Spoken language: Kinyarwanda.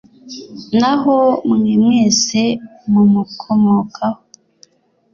naho mwe mwese mumukomokaho